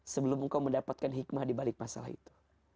sebelum engkau mendapatkan hikmah dibalik masalah itu